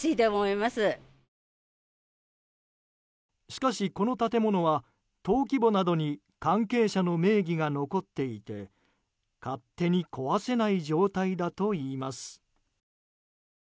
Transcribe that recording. しかし、この建物は登記簿などに関係者の名義が残っていて勝手に壊せない状態だといいます。